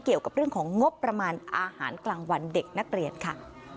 เกี่ยวกับเรื่องของงบประมาณอาหารกลางวันเด็กนักเรียนค่ะ